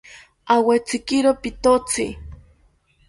Awetzikiro pitotzi